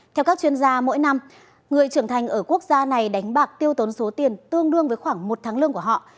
theo các chuyên gia mỗi năm người trưởng thành ở quốc gia này đánh bạc tiêu tốn số tiền tương đương với khoảng một tháng lương của họ